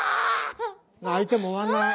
泣いても終わんない。